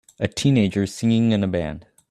A teenager singing in a band